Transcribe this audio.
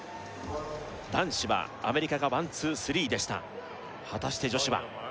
男子はアメリカがワンツースリーでした果たして女子は？